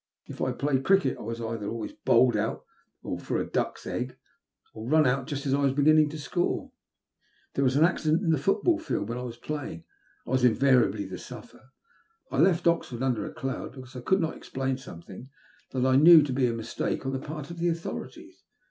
If I played cricket, I was always either bowled for a duck's egg, or run out just as I was beginning to score. If there was an accident in the football field, when I was playing, I was invari ably the sufferer. I left Oxford under a cloud, because I could not explain something that I knew to be a mistake on the part of the authorities.